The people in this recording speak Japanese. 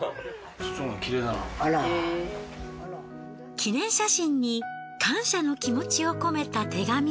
記念写真に感謝の気持ちを込めた手紙。